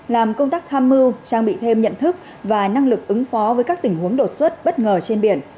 làm công tác tham mưu trang bị thêm nhận thức và năng lực ứng phó với các tình huống đột xuất bất ngờ trên biển